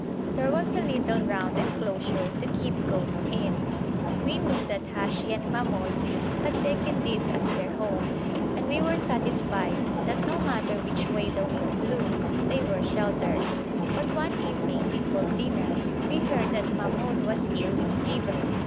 There was a little round enclosure to keep goats in; we knew that Hashi and Mahmoud had taken this as their home, and we were satisfied that no matter which way the wind blew they were sheltered; but one evening before dinner we heard that Mahmoud was ill with fever.